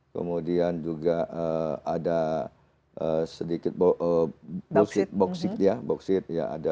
kemudian juga ada sedikit boksit